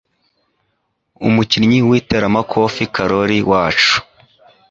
Umukinnyi w'iteramakofe karori wacu